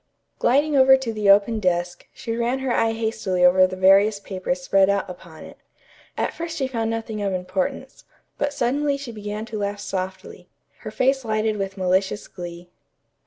Gliding over to the open desk, she ran her eye hastily over the various papers spread out upon it. At first she found nothing of importance, but suddenly she began to laugh softly, her face lighted with malicious glee.